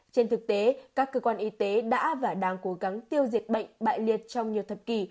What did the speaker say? trên thực tế các cơ quan y tế đã và đang cố gắng tiêu diệt bệnh bại liệt trong nhiều thập kỷ